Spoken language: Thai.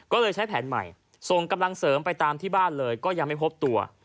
ก็เลยใช้แผนใหม่ส่งกำลังเสริมไปตามที่บ้านเลยก็ยังไม่พบตัว